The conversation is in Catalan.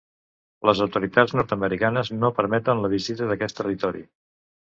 Les autoritats nord-americanes no permeten la visita d'aquest territori.